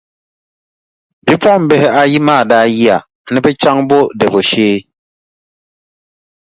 Bipuɣimbihi ayi maa daa yiya ni bɛ chaŋ m-bo Debo shee.